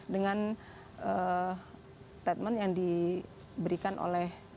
dengan statement yang diberikan oleh